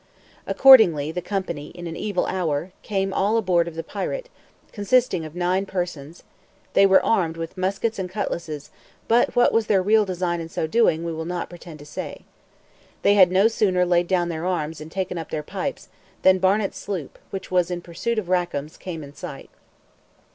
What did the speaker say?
Accordingly, the company, in an evil hour, came all aboard of the pirate, consisting of nine persons; they were armed with muskets and cutlasses, but what was their real design in so doing we will not pretend to say. They had no sooner laid down their arms and taken up their pipes, than Barnet's sloop, which was in pursuit of Rackam's, came in sight.